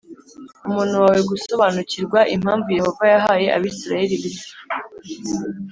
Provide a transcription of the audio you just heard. umwana wawe gusobanukirwa impamvu Yehova yahaye Abisirayeli biryo